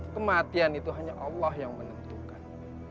kematian itu hanya allah yang menentukan